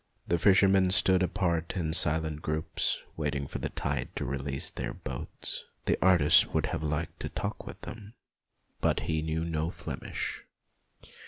The fishermen stood apart in silent groups, waiting for the tide to release their boats. The artist would have liked to talk with them, but he knew no Flemish.